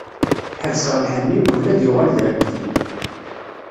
Ḥebseɣ lḥenni, qbel ad yuɣal d arekti.